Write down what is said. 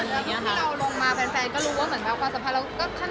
ทุกที่เราลงมาแผนแฟนก็รู้ว่าความสัมพันธ์เราเราก็ค่อนข้าง